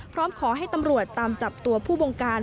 พร้อมขอให้ตำรวจตามจับตัวผู้บงการ